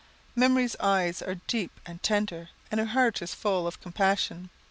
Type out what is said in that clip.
Memory's eyes are deep and tender and her heart is full of compassion.